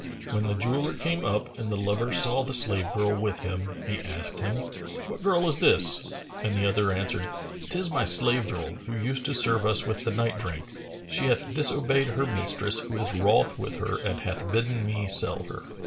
When the jeweller came up and the lover saw the slave girl with him, he asked him, "What girl is this?"; and the other answered, "'Tis my slave girl who used to serve us with the night drink; she hath disobeyed her mistress who is wroth with her and hath bidden me sell her."